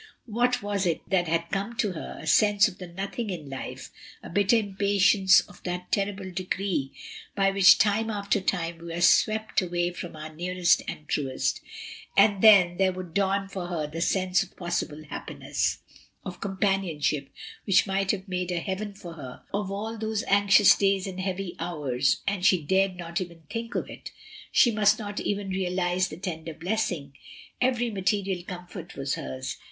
What was it that had come to her, a sense of the nothing in life, a bitter impatience of that terrible decree by which time after time we are swept away from our nearest and truest ... And then there would dawn for her the sense of possible happiness, of companionship which might have made a heaven WAR AND RUMOUR OF WAR. 153 for her of all those anxious days and heavy hours, and she dared not even think of it; she must not even realise the tender blessing. Every material comfort was hers.